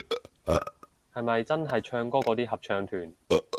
係咪真係唱歌嗰啲合唱團